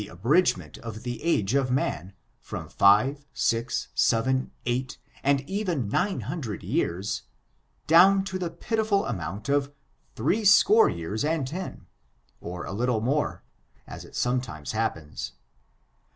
ibridgment of the age of man, from five, six, seven, eight, and even nine hundred years^ down to the pitiful amount of " three score years and ten^ or a little over, as it sometimes happens.